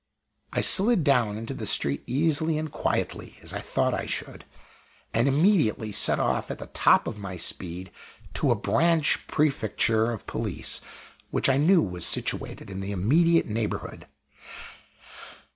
I slid down into the street easily and quietly, as I thought I should, and immediately set off at the top of my speed to a branch "Prefecture" of Police, which I knew was situated in the immediate neighborhood.